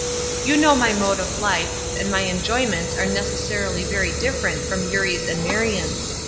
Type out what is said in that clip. "You know my mode of life and my enjoyments are necessarily very different from Eurie's and Marion's.